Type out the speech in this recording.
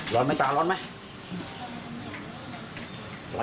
ร้อนไหมจ๊ะร้อนไหม